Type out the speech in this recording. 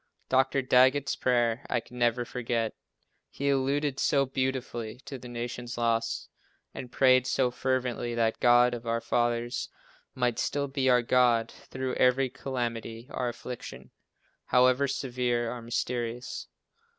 Dr. Daggett's prayer, I can never forget, he alluded so beautifully to the nation's loss, and prayed so fervently that the God of our fathers might still be our God, through every calamity or affliction, however severe or mysterious.